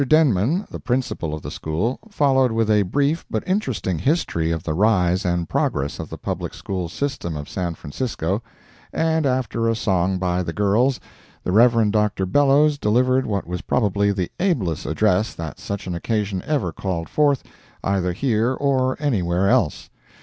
Denman, the Principal of the School, followed with a brief but interesting history of the rise and progress of the Public School system of San Francisco, and after a song by the girls, the Rev. Dr. Bellows delivered what was probably the ablest address that such an occasion ever called forth, either here or anywhere else.